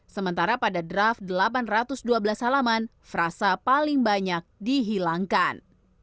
sementara pada draft delapan ratus dua belas halaman frasa paling banyak dihilangkan